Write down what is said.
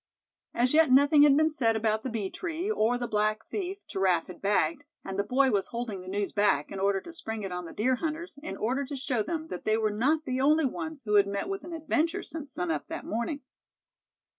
As yet nothing had been said about the bee tree, or the black thief Giraffe had bagged; and the boy was holding the news back, in order to spring it on the deer hunters, in order to show them that they were not the only ones who had met with an adventure since sun up that morning.